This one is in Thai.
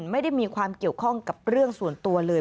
ไม่ได้มีความเกี่ยวข้องกับเรื่องส่วนตัวเลย